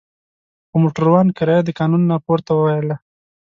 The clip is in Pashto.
خو موټروان کرایه د قانون نه پورته وویله.